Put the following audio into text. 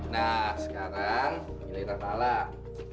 nah sekarang bila kita salah